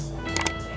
itu menurut papi